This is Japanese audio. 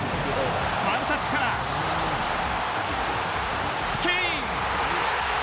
ワンタッチからケイン。